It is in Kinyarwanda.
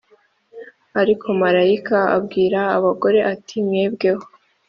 Ariko marayika abwira abagore ati Mwebweho